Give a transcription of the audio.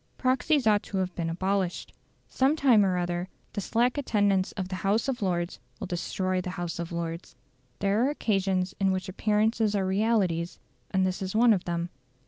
Proxies ought to have been abolished. Some time or other the slack attendance of the House of Lords will destroy the House of Lords. There are occasions in which appearances are realities, and this is one of them.